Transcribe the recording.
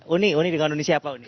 uni uni dengan uni siapa uni